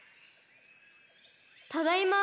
・ただいま。